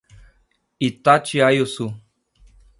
Itatiaiuçu